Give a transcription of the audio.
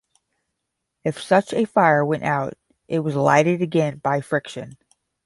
If such a fire went out, it was lighted again by friction.